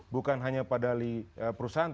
bukan hanya pada perusahaan